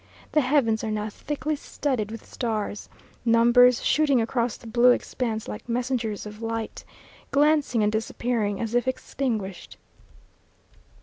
The heavens are now thickly studded with stars, numbers shooting across the blue expanse like messengers of light, glancing and disappearing as if extinguished.